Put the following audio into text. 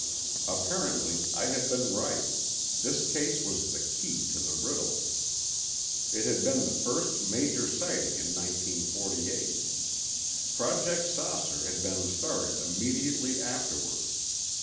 Apparently I had been right; this case was the key to the riddle. It had been the first major sighting in 1948. Project "Saucer" had been started immediately afterward.